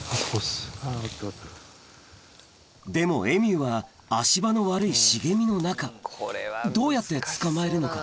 でもエミューは足場の悪い茂みの中どうやって捕まえるのか？